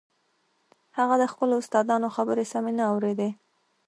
هغه د خپلو استادانو خبرې سمې نه اورېدې.